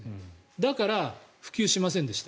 だから普及しませんでした。